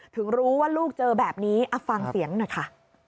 ถึงรู้ว่าลูกเจอแบบนี้ฟังเสียงหน่อยค่ะ